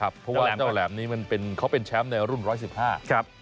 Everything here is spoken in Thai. เพราะว่าแหลมโตแหลมนี้เขาเป็นแชมป์ในรุ่น๑๑๕ครับ